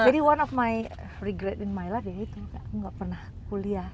jadi one of my regret in my life ya itu gak pernah kuliah